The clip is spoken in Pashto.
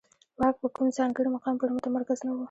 واک په کوم ځانګړي مقام پورې متمرکز نه و